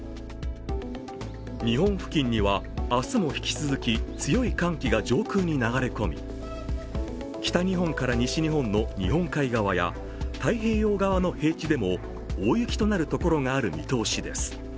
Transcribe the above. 日本付近には明日も引き続き強い寒気が上空に流れ込み、北日本から西日本の日本海側や太平洋側の平地でも大雪となる所がある見通しです。